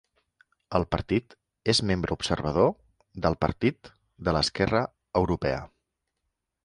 El partit és membre observador del Partit de l'Esquerra Europea.